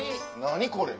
何これ。